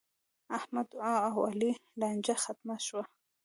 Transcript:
د احمد او علي لانجه ختمه شوه.